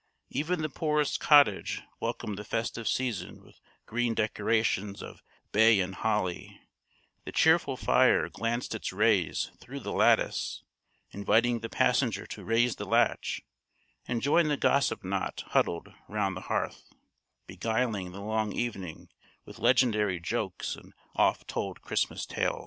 Even the poorest cottage welcomed the festive season with green decorations of bay and holly the cheerful fire glanced its rays through the lattice, inviting the passenger to raise the latch, and join the gossip knot huddled round the hearth, beguiling the long evening with legendary jokes and oft told Christmas tales.